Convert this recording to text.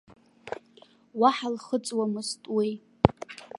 Уаҳа лхыҵуамызт уи.